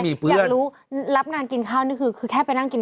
อยากรู้รับงานกินข้าวนี่คือคือแค่ไปนั่งกิน